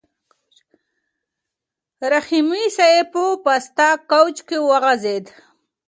رحیمي صیب په پاسته کوچ کې وغځېد.